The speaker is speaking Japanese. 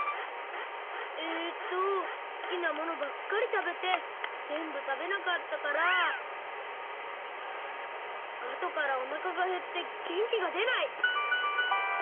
えっとすきなものばっかりたべてぜんぶたべなかったからあとからおなかがへってピンポンピンポンピンポン！